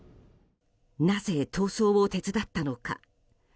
なぜ逃走を手伝ったのか。